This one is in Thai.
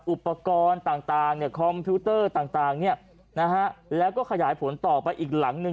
อุปกรณ์ต่างคอมพิวเตอร์ต่างเนี่ยนะฮะแล้วก็ขยายผลต่อไปอีกหลังหนึ่ง